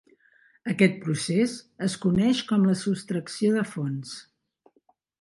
Aquest procés es coneix com la sostracció de fons.